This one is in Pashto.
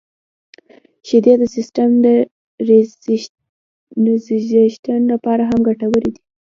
• شیدې د سیستم د ریهایدریشن لپاره هم ګټورې دي.